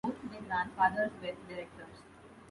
Both their grandfathers were directors.